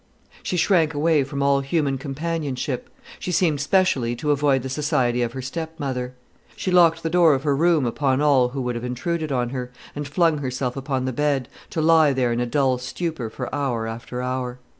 She shrank away from all human companionship; she seemed specially to avoid the society of her stepmother. She locked the door of her room upon all who would have intruded on her, and flung herself upon the bed, to lie there in a dull stupor for hour after hour.